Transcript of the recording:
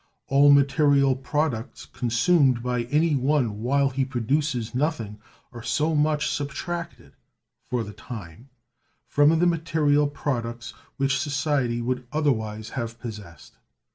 All material products consumed by any one while he produces nothing are so much subtracted, for the time, from the material products which society would otherwise have possessed.